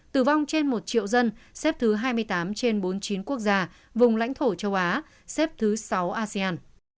tử vong trên một triệu dân xếp thứ hai mươi tám trên bốn mươi chín quốc gia vùng lãnh thổ châu á xếp thứ sáu asean